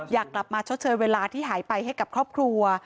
อยากกลับมาชดเชยเวลาที่หายไปให้กับครอบครัว